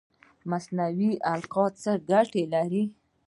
مصنوعي القاح څه ګټه لري؟